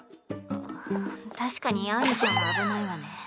あっ確かに秋水ちゃんは危ないわね。